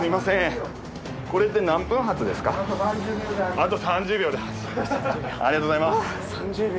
あと３０秒で発車。